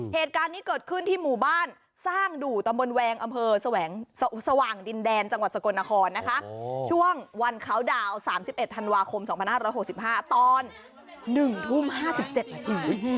เหตุการณ์นี้เกิดขึ้นที่หมู่บ้านสร้างดู่ตำบลแวงอำเภอสว่างดินแดนจังหวัดสกลนครนะคะช่วงวันเขาดาวน์๓๑ธันวาคม๒๕๖๕ตอน๑ทุ่ม๕๗นาที